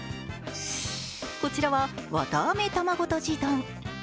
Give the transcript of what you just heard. こちらはわたあめ卵とじ丼。